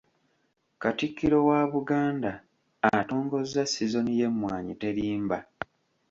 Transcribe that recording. Katikkiro wa Buganda, atongozza sizoni y’Emmwannyi terimba.